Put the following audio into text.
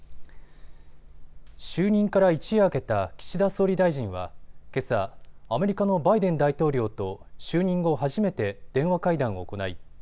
就任から一夜明けた岸田総理大臣はけさアメリカのバイデン大統領と就任後初めて電話会談を行い